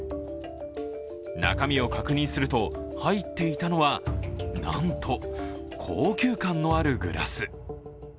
中身を確認すると入っていたのはなんと、高級感のあるグラス。